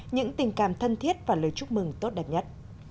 những tình cảm thân thiết và lời chúc mừng tốt đẹp nhất